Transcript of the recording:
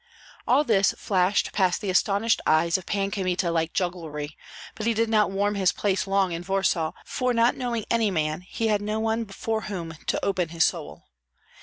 All this flashed past the astonished eyes of Pan Kmita like jugglery; but he did not warm his place long in Warsaw, for not knowing any man he had no one before whom to open his soul.